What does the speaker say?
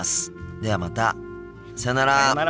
ではまたさよなら。